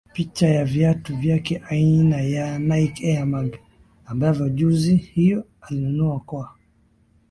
picha ya viatu vyake aina ya Nike Air Mag ambavyo jozi hiyo alinunua kwa